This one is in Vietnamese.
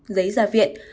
giấy gia viện